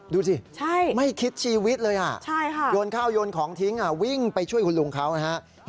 ดูสิไม่คิดชีวิตเลยโยนข้าวโยนของทิ้งวิ่งไปช่วยคุณลุงเขานะฮะ